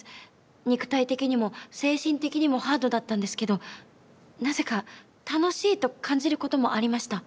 肉体的にも精神的にもハードだったんですけどなぜか楽しいと感じることもありました。